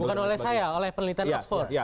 bukan oleh saya oleh penelitian ekspor